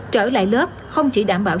trở lại lớp không chỉ đảm bảo